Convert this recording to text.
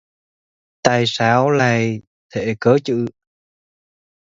tại sao lại thế cơ chứ